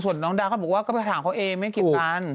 ส่วนน้องดาเขาบอกว่าก็ไปถามเขาเองไม่กีดกัน